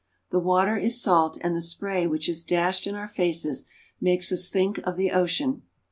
The water is salt, and the spray which is dashed 358 Russia. in our faces makes us think of the ocean.